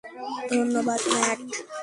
ধন্যবাদ, ম্যাট।